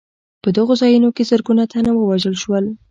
په دغو ځایونو کې زرګونه تنه ووژل شول.